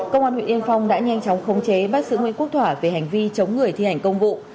công an huyện yên phong đã nhanh chóng khống chế bắt giữ nguyễn quốc thỏa về hành vi chống người thi hành công vụ